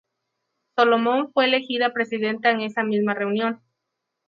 Solomon fue elegida presidenta en esa misma reunión.